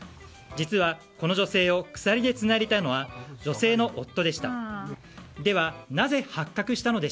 実はこの女性を鎖でつないでいたのは女性の夫でした。